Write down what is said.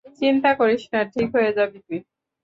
চিন্তা করিস না, ঠিক হয়ে যাবি তুই।